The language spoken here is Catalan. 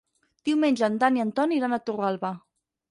Diumenge en Dan i en Ton iran a Torralba.